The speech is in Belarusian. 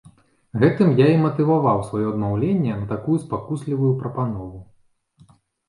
Гэтым я і матываваў сваё адмаўленне на такую спакуслівую прапанову.